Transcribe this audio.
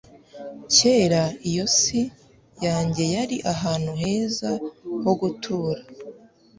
kera iyo isi yanjye yari ahantu heza ho gutura